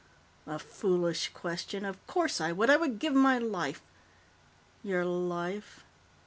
"A foolish question. Of course I would. I would give my life." "Your life?